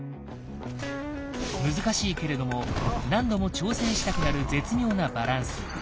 難しいけれども何度も挑戦したくなる絶妙なバランス。